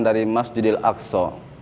dari masjidil akso